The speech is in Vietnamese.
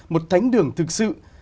một thánh đường thực sự